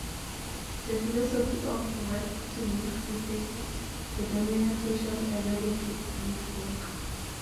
The philosophy of work-to-live replaces the dominant social ideology of live-to-work.